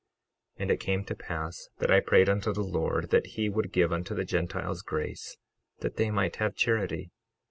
12:36 And it came to pass that I prayed unto the Lord that he would give unto the Gentiles grace, that they might have charity.